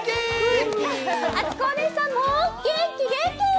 あつこお姉さんも元気、元気！